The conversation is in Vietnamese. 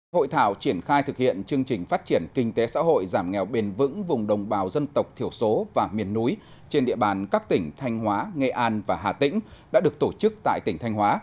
hội thảo triển khai thực hiện chương trình phát triển kinh tế xã hội giảm nghèo bền vững vùng đồng bào dân tộc thiểu số và miền núi trên địa bàn các tỉnh thanh hóa nghệ an và hà tĩnh đã được tổ chức tại tỉnh thanh hóa